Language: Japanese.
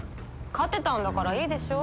勝てたんだからいいでしょ？